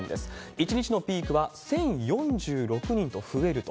１日のピークは１０４６人と増えると。